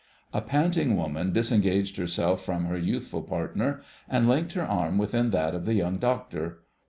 A panting woman disengaged herself from her youthful partner, and linked her arm within that of the Young Doctor.